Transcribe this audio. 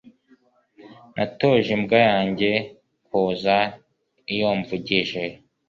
Natoje imbwa yanjye kuza iyo mvugije